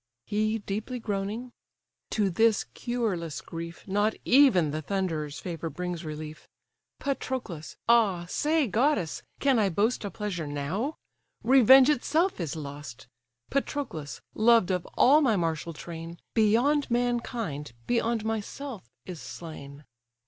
He, deeply groaning—"To this cureless grief, Not even the Thunderer's favour brings relief. Patroclus—Ah!—say, goddess, can I boast A pleasure now? revenge itself is lost; Patroclus, loved of all my martial train, Beyond mankind, beyond myself is slain!